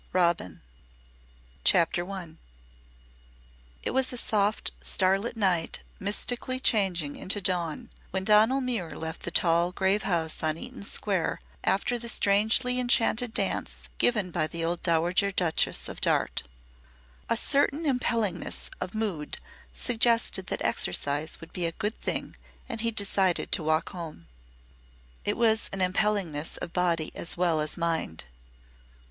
ROBIN CHAPTER I It was a soft starlit night mystically changing into dawn when Donal Muir left the tall, grave house on Eaton Square after the strangely enchanted dance given by the old Dowager Duchess of Darte. A certain impellingness of mood suggested that exercise would be a good thing and he decided to walk home. It was an impellingness of body as well as mind.